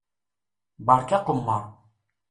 Berka aqemmeṛ!